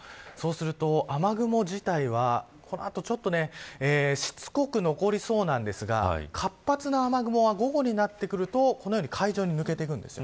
そうすると雨雲自体はこの後しつこく残りそうなんですが活発な雨雲は午後になってくるとこのように海上に抜けていくんです。